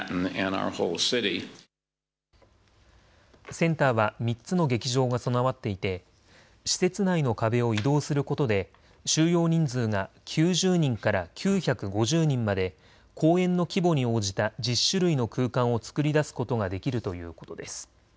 センターは３つの劇場が備わっていて施設内の壁を移動することで収容人数が９０人から９５０人まで公演の規模に応じた１０種類の空間を作り出すことができるということです。